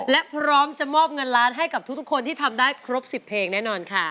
และพร้อมจะมอบเงินล้านให้กับทุกคนที่ทำได้ครบ๑๐เพลงแน่นอนค่ะ